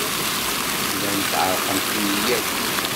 Llant ɛerqent-iyi akk.